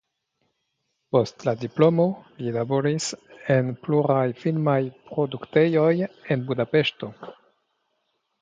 Post la diplomo li laboris en pluraj filmaj produktejoj en Budapeŝto.